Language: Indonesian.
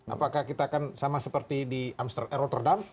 apakah kita akan sama seperti di amsterdam